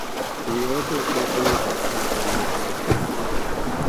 Di nyɛla din kuli ba n-ʒe alizanda ni sahakam.